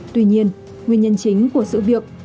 tuy nhiên nguyên nhân chính của sự việc